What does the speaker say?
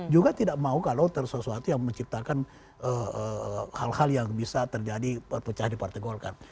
juga tidak mau kalau sesuatu yang menciptakan hal hal yang bisa terjadi perpecah di partai golkar